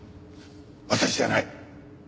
私じゃない。